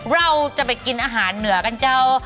เราจะไปกินอาหารเหนือกันเจ้า